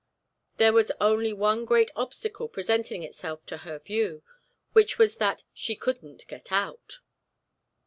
There was only one great obstacle presenting itself to her view, which was that "she couldn't get out."